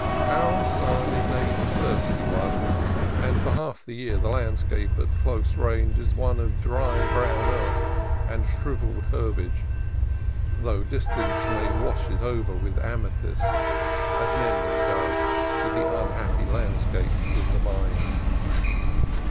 Our sun is a thirsty one, and for half the year the landscape at close range is one of dry brown earth and shrivelled herbage, though distance may wash it over with amethyst, as Mem ory does with the unhappy landscapes of the mind.